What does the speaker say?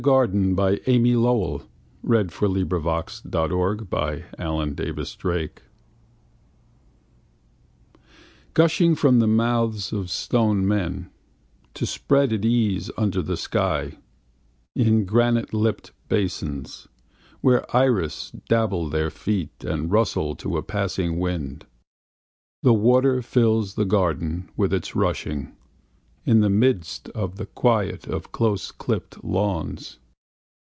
Gather it up from the dust, That its sparkle may amuse you. In a Garden Gushing from the mouths of stone men To spread at ease under the sky In granite lipped basins, Where iris dabble their feet And rustle to a passing wind, The water fills the garden with its rushing, In the midst of the quiet of close clipped lawns.